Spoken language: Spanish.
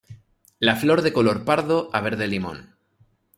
La flor de color pardo a verde limón.